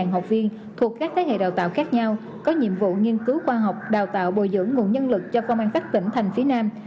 một trăm học viên thuộc các thế hệ đào tạo khác nhau có nhiệm vụ nghiên cứu khoa học đào tạo bồi dưỡng nguồn nhân lực cho công an các tỉnh thành phía nam